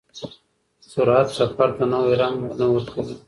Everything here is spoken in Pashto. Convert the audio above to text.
سرعت سفر ته نوی رنګ نه ورکوي.